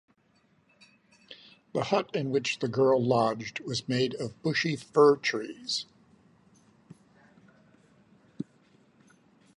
The hut in which the girl lodged was made of bushy fir-trees.